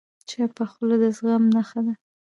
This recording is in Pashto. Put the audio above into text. چپه خوله، د زغم نښه ده.